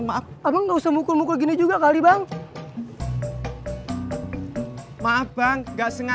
maaf abang nggak usah mukul mukul gini juga kali bang maaf bang nggak sengaja